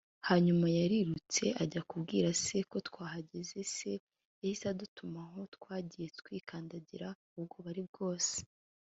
hanyuma yarirutse ajya kubwira se ko twahageze se yahise adutumaho twagiye twikandagira ubwoba ari bwose